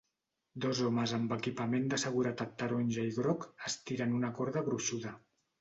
Dos homes amb equipament de seguretat taronja i groc estiren una corda gruixuda.